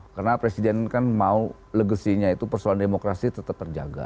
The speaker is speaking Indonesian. karena presiden kan mau legasinya itu persoalan demokrasi tetap terjaga